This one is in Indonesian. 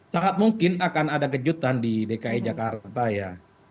sangat mungkin akan ada kejutan di dki jakarta ya